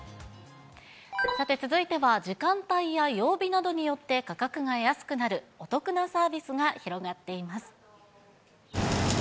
さて続いては、時間帯や曜日などによって価格が安くなる、お得なサービスが広がっています。